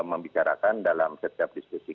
membicarakan dalam setiap diskusi